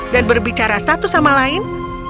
dan berbicara satu sama lain